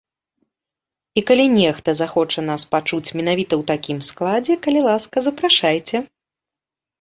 І калі нехта захоча нас пачуць менавіта ў такім складзе, калі ласка, запрашайце.